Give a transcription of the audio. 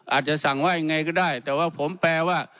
อาจจะสั่งว่ายังไงก็ได้แต่ว่าผมแปลว่า